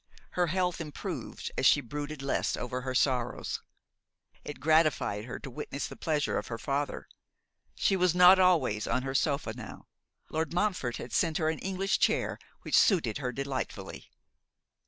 Her health improved as she brooded less over her sorrows. It gratified her to witness the pleasure of her father. She was not always on her sofa now. Lord Montfort had sent her an English chair, which suited her delightfully.